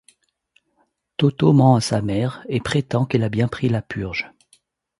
Toto ment à sa mère et prétend qu'il a bien pris la purge.